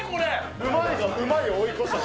うまいがうまいを追い越した。